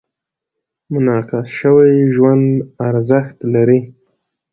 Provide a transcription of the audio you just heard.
منعکس شوي ژوند ارزښت لري.